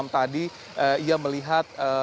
tadi ia melihat